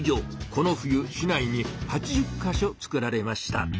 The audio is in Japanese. この冬市内に８０か所つくられました。